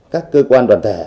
các cơ quan đoàn thể